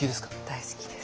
大好きです。